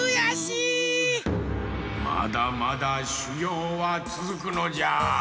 まだまだしゅぎょうはつづくのじゃ。